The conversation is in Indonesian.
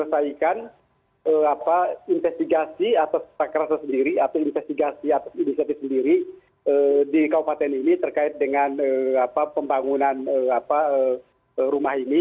menyesuaikan investigasi atau investasi sendiri di kabupaten ini terkait dengan pembangunan rumah ini